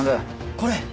これ！